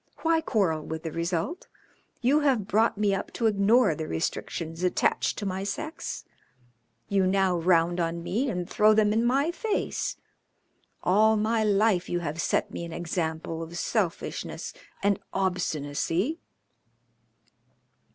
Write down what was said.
"Why quarrel with the result? You have brought me up to ignore the restrictions attached to my sex; you now round on me and throw them in my face. All my life you have set me an example of selfishness and obstinacy.